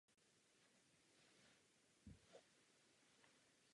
Leží v londýnském obvodě Camden.